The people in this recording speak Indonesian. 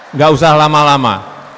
enggak usah lama lama